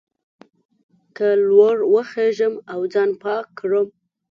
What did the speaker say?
که لوړ وخېژم او ځان پاک کړم.